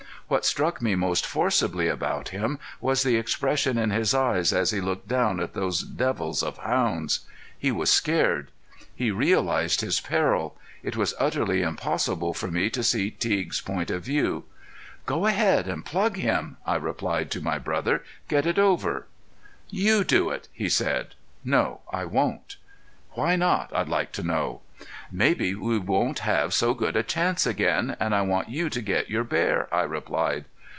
What struck me most forcibly about him was the expression in his eyes as he looked down at those devils of hounds. He was scared. He realized his peril. It was utterly impossible for me to see Teague's point of view. "Go ahead and plug him," I replied to my brother. "Get it over." "You do it," he said. "No, I won't." "Why not I'd like to know?" "Maybe we won't have so good a chance again and I want you to get your bear," I replied.